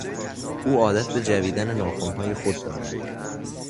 او عادت به جویدن ناخنهای خود دارد.